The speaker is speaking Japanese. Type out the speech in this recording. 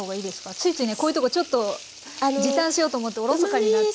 ついついねこういうところちょっと時短しようと思っておろそかになっちゃうんですけど。